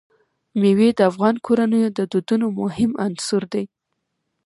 مېوې د افغان کورنیو د دودونو مهم عنصر دی.